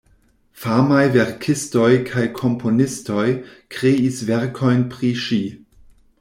Famaj verkistoj kaj komponistoj kreis verkojn pri ŝi.